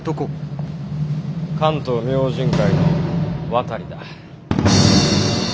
関東明神会の渡だ。